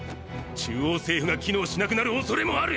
中央政府が機能しなくなるおそれもある！！